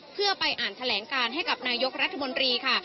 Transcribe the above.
เพื่อไปอ่านแถลงการให้กับนายกรัฐมนตรีค่ะ